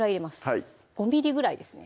はい５ｍｍぐらいですね